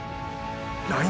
来年